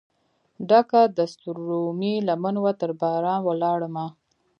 ډکه دستورومې لمن وه ترباران ولاړ مه